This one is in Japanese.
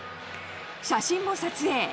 写真も撮影。